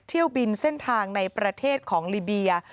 เที่ยวบินเส้นทางในประเทศของลิเบีย